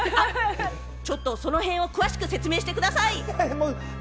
ちょっとその辺、詳しく説明してください。